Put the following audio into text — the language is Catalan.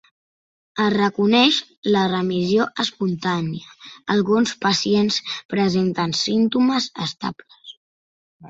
Es reconeix la remissió espontània; alguns pacients presenten símptomes estables.